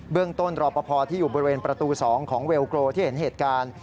ต้นรอปภที่อยู่บริเวณประตู๒ของเวลโกรที่เห็นเหตุการณ์